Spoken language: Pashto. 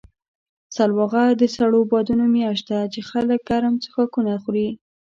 سلواغه د سړو بادونو میاشت ده، چې خلک ګرم څښاکونه خوري.